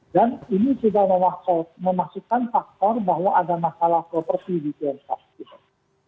dan ini sudah memasukkan faktor bahwa ada masalah properti di tiongkok